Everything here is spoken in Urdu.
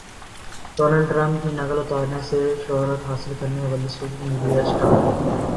ڈونلڈ ٹرمپ کی نقل اتارنے سے شہرت حاصل کرنے والی سوشل میڈیا اسٹار